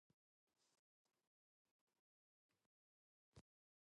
The constables on duty are prohibited from drinking coconut water.